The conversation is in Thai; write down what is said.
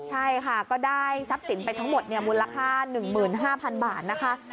ใช่ค่ะก็ได้ทั้งหมดซับสินมูลค่า๑๕๐๐๐บาท